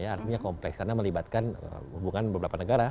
artinya kompleks karena melibatkan hubungan beberapa negara